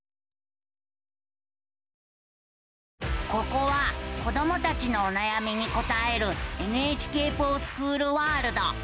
ここは子どもたちのおなやみに答える「ＮＨＫｆｏｒＳｃｈｏｏｌワールド」。